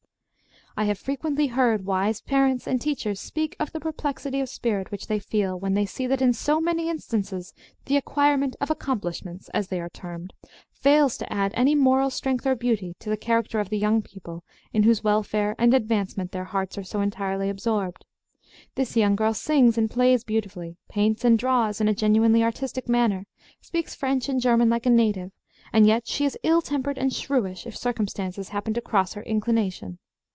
I have frequently heard wise parents and teachers speak of the perplexity of spirit which they feel when they see that in so many instances the acquirement of accomplishments, as they are termed, fails to add any moral strength or beauty to the character of the young people in whose welfare and advancement their hearts are so entirely absorbed. This young girl sings and plays beautifully, paints and draws in a genuinely artistic manner, speaks French and German like a native, and yet she is ill tempered and shrewish if circumstances happen to cross her inclination.